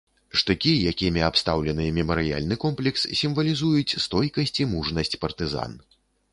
Штыкі, якімі абстаўлены мемарыяльны комплекс, сімвалізуюць стойкасць і мужнасць партызан.